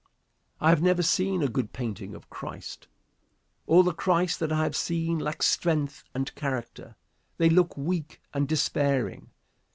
I have never seen a good painting of Christ. All the Christs that I have seen lack strength and character. They look weak and despairing.